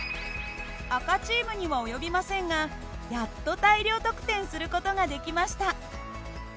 赤チームには及びませんがやっと大量得点する事ができました。